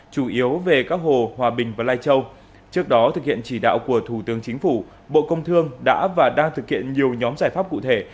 chủ yếu về các hồ hòa bình và lai châu trước đó thực hiện chỉ đạo của thủ tướng chính phủ bộ công thương đã và đang thực hiện nhiều nhóm giải pháp cụ thể